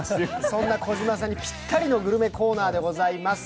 そんな児嶋さんにぴったりのグルメコーナーでございます。